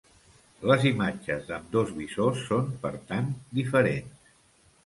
Les imatges d'ambdós visors són, per tant, diferents.